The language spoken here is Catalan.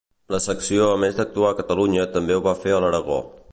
La Secció a més d’actuar a Catalunya també ho va fer a l'Aragó.